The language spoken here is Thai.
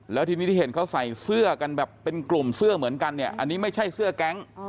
แล้วทีนี้ที่เห็นเขาใส่เสื้อกันแบบเป็นกลุ่มเสื้อเหมือนกันเนี่ยอันนี้ไม่ใช่เสื้อแก๊ง